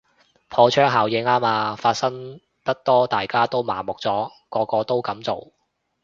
破窗效應吖嘛，發生得多大家都麻木咗，個個都噉做